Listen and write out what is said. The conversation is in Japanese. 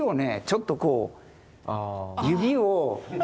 ちょっとこう指を。